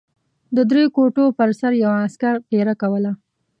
د درې کوټو پر سر یو عسکر پېره کوله.